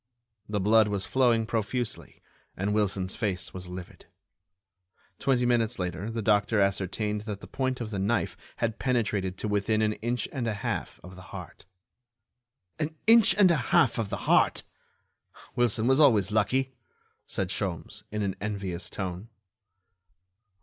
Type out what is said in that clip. The blood was flowing profusely, and Wilson's face was livid. Twenty minutes later the doctor ascertained that the point of the knife had penetrated to within an inch and a half of the heart. "An inch and a half of the heart! Wilson always was lucky!" said Sholmes, in an envious tone.